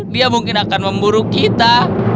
dia mungkin akan memburu kita